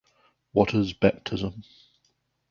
What is baptism?